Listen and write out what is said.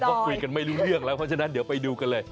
ก็คุยกันไม่รู้เรื่องแล้วเพราะฉะนั้นเดี๋ยวไปดูกันเลย